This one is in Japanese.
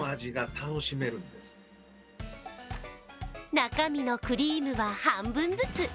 中身のクリームは半分ずつ。